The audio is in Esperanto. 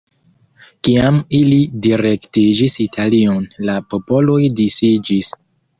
Kiam ili direktiĝis Italion la popoloj disiĝis.